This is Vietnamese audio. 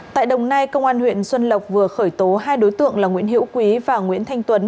tại đồng nai công an huyện xuân lộc vừa khởi tố hai đối tượng là nguyễn hữu quý và nguyễn thanh tuấn